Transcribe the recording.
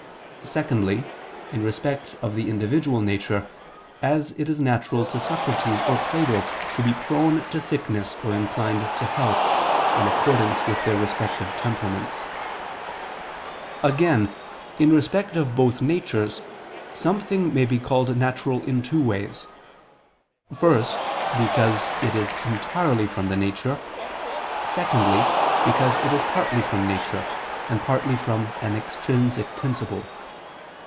Secondly, in respect of the individual nature, as it is natural to Socrates or Plato to be prone to sickness or inclined to health, in accordance with their respective temperaments. Again, in respect of both natures, something may be called natural in two ways: first, because it entirely is from the nature; secondly, because it is partly from nature, and partly from an extrinsic principle.